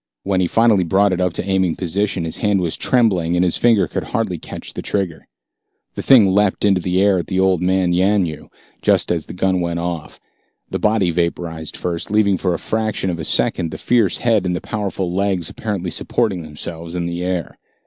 When he finally brought it up into aiming position, his hand was trembling, and his finger could hardly catch the trigger. The thing leaped into the air at the old man, Yanyoo, just as the gun went off. The body vaporized first, leaving for a fraction of a second the fierce head and the powerful legs apparently supporting themselves in the air.